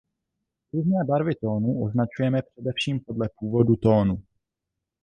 Různé barvy tónů označujeme především podle původu tónů.